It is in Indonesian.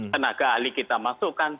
tenaga ahli kita masukkan